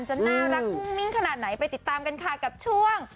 จะน่ารักมุ่งมิ้งขนาดไหนไปติดตามกันค่ะกับช่วง